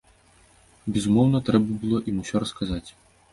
Безумоўна, трэба было ім усё расказаць.